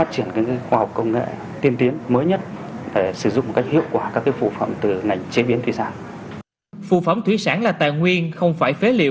xem trực tiếp ở sân nhà